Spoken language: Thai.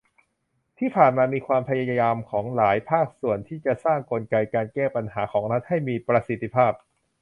ที่ผ่านมามีความพยายามของหลายภาคส่วน ที่จะสร้างกลไกการแก้ปัญหาของรัฐให้มีประสิทธิภาพ